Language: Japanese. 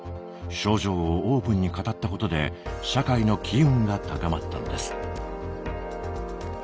症状をオープンに語ったことで社会の機運が高まったのです。